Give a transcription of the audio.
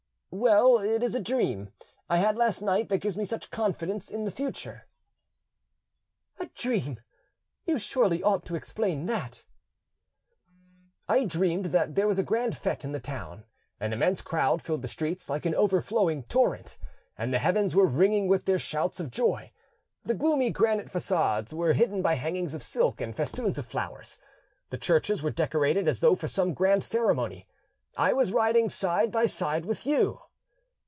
"Well, it is a dream I had last night that gives me such confidence in the future." "A dream! You surely ought to explain that." "I dreamed that there was a grand fete in the town: an immense crowd filled the streets like an overflowing torrent, and the heavens were ringing with their shouts of joy; the gloomy granite facades were hidden by hangings of silk and festoons of flowers; the churches were decorated as though for some grand ceremony. I was riding side by side with you."